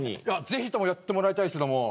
ぜひともやってもらいたいです。